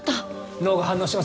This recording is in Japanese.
脳が反応してます。